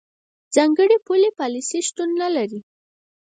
ځانګړې پولي پالیسۍ شتون نه لري.